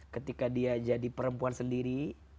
ketika dia jadi perempuan sendiri